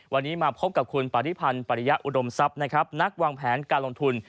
วันนี้มาพบกับคุณปริพันธ์ปริยะอุดมทรัพย์นะครับนักวางแผนการลงทุน